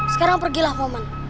sekarang pergilah paman